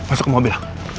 masuk ke mobil